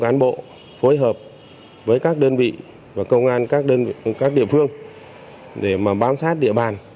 các cán bộ phối hợp với các đơn vị và công an các địa phương để mà bám sát địa bàn